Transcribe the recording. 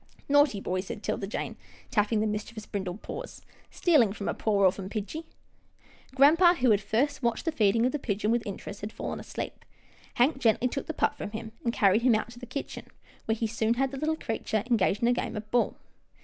" Naughty boy," said 'Tilda Jane, tapping the 154 'TILDA JANE'S ORPHANS mischievous, brindled paws, " stealing from a poor orphan pidgie." Grampa, who had at first watched the feeding of the pigeon with interest, had fallen asleep. Hank gently took the pup from him, and carried him out to the kitchen, where he soon had the little creature engaged in a game of ball.